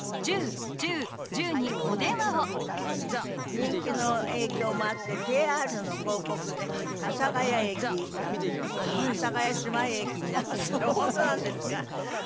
人気の影響もあってＪＲの広告で阿佐ヶ谷駅が阿佐ヶ谷姉妹駅になったってそれ本当なんですか？